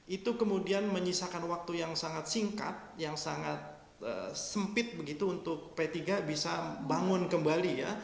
itu kemudian menyisakan waktu yang sangat singkat yang sangat sempit begitu untuk p tiga bisa bangun kembali ya